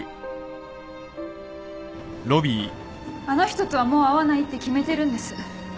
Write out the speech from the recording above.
あの人とはもう会わないって決めてるんです。